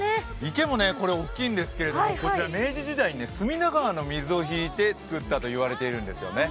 池もこれ大きいんですけれども明治時代に隅田川の水を引いて作ったと言われているんですよね。